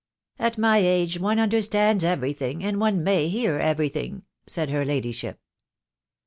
"At my age one understands everything, and one may hear everything," said her Ladyship.